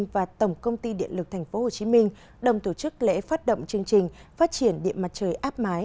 và tổng công ty điện lực tp hcm đồng tổ chức lễ phát động chương trình phát triển điện mặt trời áp mái